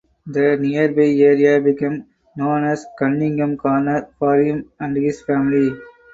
The nearby area became known as "Cunningham Corner (s)" for him and his family.